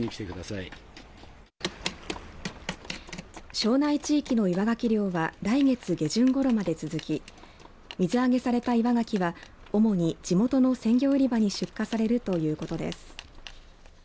庄内地域の岩がき漁は来月下旬ごろまで続き水揚げされた岩がきは主に地元の鮮魚売り場に出荷されるということです。